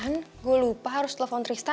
kan gue lupa harus telepon trista